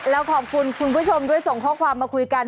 แล้วขอบคุณคุณผู้ชมด้วยส่งข้อความมาคุยกัน